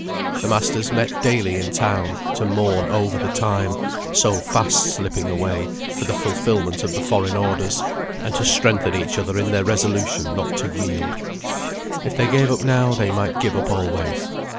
The masters met daily in town, to mourn over the time (so fast slipping away) for the fulfilment of the foreign orders; and to strengthen each other in their resolution not to yield. If they gave up now, they might give up always.